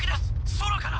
空から！